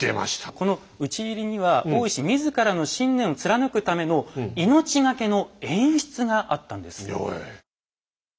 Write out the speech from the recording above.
この討ち入りには大石自らの信念を貫くための命がけの演出があったんです。